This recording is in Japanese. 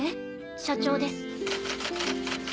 社長です。